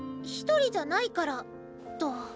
一人じゃないから」と。